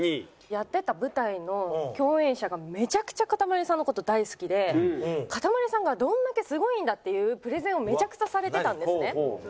やってた舞台の共演者がめちゃくちゃかたまりさんの事大好きでかたまりさんがどれだけすごいんだっていうプレゼンをめちゃくちゃされてたんですね。